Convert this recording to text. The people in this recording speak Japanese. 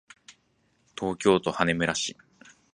東京都羽村市